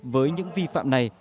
với những vi phạm này